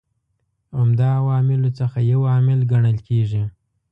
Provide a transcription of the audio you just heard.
عمده عواملو څخه یو عامل کڼل کیږي.